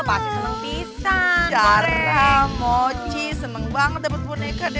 pasti seneng pisang zara moci seneng banget dapet boneka deh